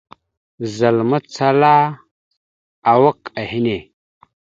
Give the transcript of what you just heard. Zal macala awak a henne.